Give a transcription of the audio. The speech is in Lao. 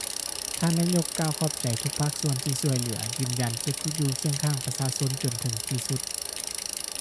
ທ່ານນາຍົກກ່າວຂອບໃຈທຸກພາກສ່ວນທີ່ຊ່ວຍເຫຼືອ! ຢືນຢັນຈະຢູ່ຄຽງຂ້າງປະຊາຊົນຈົນເຖິງທີ່ສຸດ